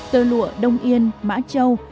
tơ lụa đông yên mã châu